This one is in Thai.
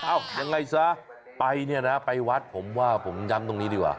ยังไงซะไปเนี่ยนะไปวัดผมว่าผมย้ำตรงนี้ดีกว่า